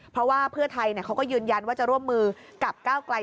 เพราะว่าเพื่อไทยเขาก็ยืนยันว่าจะร่วมมือกับก้าวไกล